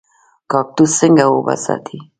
کاکتوس څنګه اوبه ساتي؟